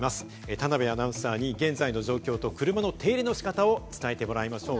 田辺アナウンサーに現在の状況と車の手入れの仕方を伝えてもらいましょう。